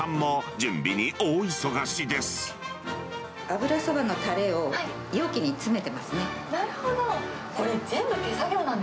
油そばのたれを容器に詰めてなるほど。